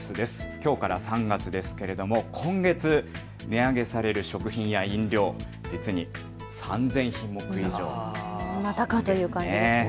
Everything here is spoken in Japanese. きょうから３月ですけれども今月値上げされる食品や飲料、３０００品目以上、またかという感じですね。